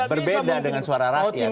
berbeda dengan suara rakyat